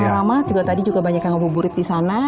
lama juga tadi juga banyak yang ngabuburit di sana